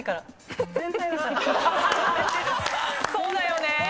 そうだよね！